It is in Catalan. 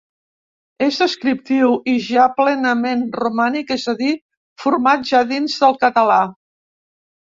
És descriptiu, i ja plenament romànic, és a dir, format ja dins del català.